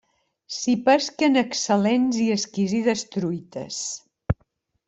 S'hi pesquen excel·lents i exquisides truites.